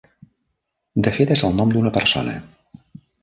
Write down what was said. De fet és el nom d'una persona.